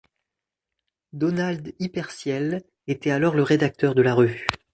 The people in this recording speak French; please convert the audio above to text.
Donald Ipperciel était alors le rédacteur de la revue.